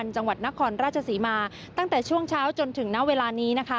จังหวัดนครราชศรีมาตั้งแต่ช่วงเช้าจนถึงณเวลานี้นะคะ